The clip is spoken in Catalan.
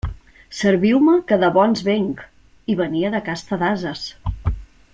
Serviu-me que de bons vénc... i venia de casta d'ases.